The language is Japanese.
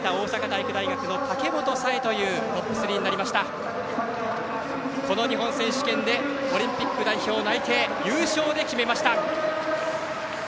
北口はこの日本選手権でオリンピック代表内定を優勝で決めました。